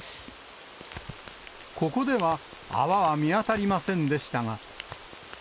ここでは、泡は見当たりませんでしたが。